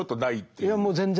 いやもう全然。